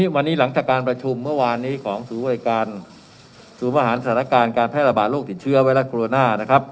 วันนี้หลังจากการประชุมเมื่อวานนี้ของศูนย์บริการศูนย์อาหารสถานการณ์การแพร่ระบาดโรคติดเชื้อไวรัสโคโรนานะครับ